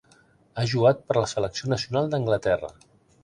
Ha jugat per la selecció nacional d'Anglaterra.